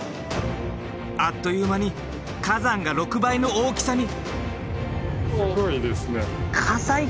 あっという間に火山が６倍の大きさに！